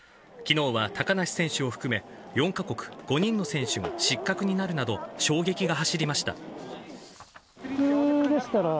きのうは高梨選手を含め、４か国５人の選手が失格になるなど、衝撃が走りました。